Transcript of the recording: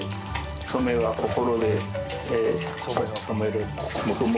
染めは心で染める黙々